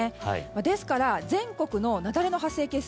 ですから、全国の雪崩の発生件数